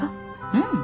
うん。